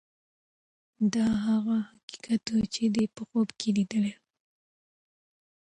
دا هغه حقیقت و چې ده په خوب کې لیدلی و.